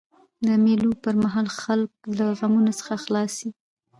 د مېلو پر مهال خلک له غمونو څخه خلاص يي.